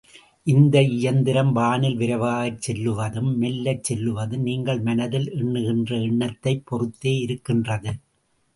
இந்த இயந்திரம் வானில் விரைவாகச் செல்லுவதும் மெல்லச் செல்லுவதும் நீங்கள் மனத்தில் எண்ணுகின்ற எண்ணத்தைப் பொறுத்தே இருக்கின்றது.